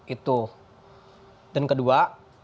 itu dan kedua